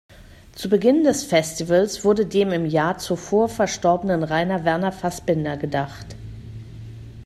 Zu Beginn des Festivals wurde dem im Jahr zuvor verstorbenen Rainer Werner Fassbinder gedacht.